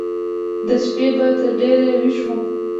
د شپې به تر ډېره ويښ و.